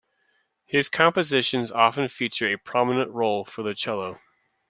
His compositions often feature a prominent role for the cello.